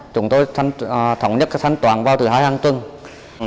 chúng tôi thống nhất sân toàn vào thứ hai hàng tuần